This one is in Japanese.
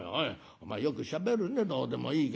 お前よくしゃべるねどうでもいいけど。